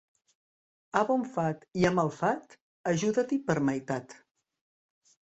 A bon fat i a mal fat, ajuda-t'hi per meitat.